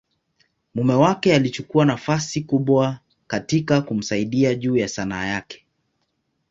mume wake alichukua nafasi kubwa katika kumsaidia juu ya Sanaa yake.